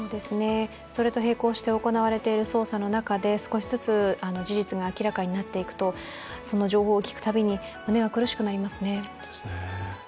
それと並行して行われている捜査の中で少しずつ事実が明らかになっていくとその情報を聞くたびに胸が苦しくなりますね。